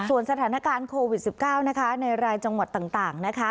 ส่วนสถานการณ์โควิด๑๙นะคะในรายจังหวัดต่างนะคะ